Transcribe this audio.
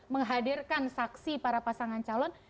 menghadirkan saksi para pasangan calon